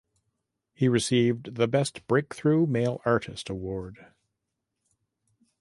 He received the Best Breakthrough Male Artist award.